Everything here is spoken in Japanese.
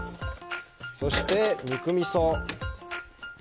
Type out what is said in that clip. そして肉みそ。